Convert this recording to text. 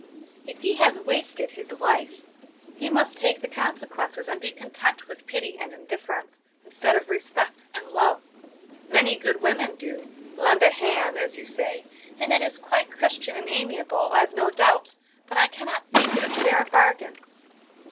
"If he has wasted his life he must take the consequences, and be content with pity and indifference, instead of respect and love. Many good women do 'lend a hand,' as you say, and it is quite Christian and amiable, I've no doubt; but I cannot think it a fair bargain."